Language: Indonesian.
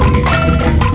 masih gak diangkat